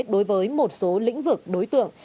đối với một số lĩnh vực đối tượng